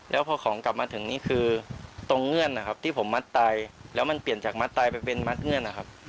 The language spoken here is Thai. แล้วพอของกลับมาถึงนี่คือตรงเงื่อนนะครับที่ผมมัดไตแล้วมันเปลี่ยนจากมัดไตไปเป็นมัดเงื่อนนะครับ